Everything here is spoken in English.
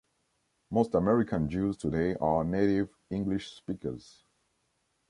Most American Jews today are native English speakers.